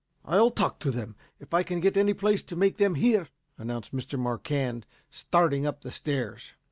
"I'll talk to them, if I can get any place to make them hear," announced Mr. Marquand, starting up the stairs.